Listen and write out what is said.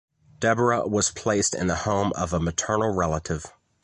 Deborah was placed in the home of a maternal relative.